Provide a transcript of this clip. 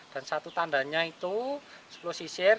dan satu tandannya itu sepuluh sisir